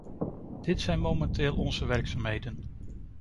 Dit zijn momenteel onze werkzaamheden.